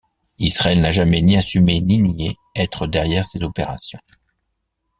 Israël n'a jamais ni assumé ni nié être derrière ces opérations.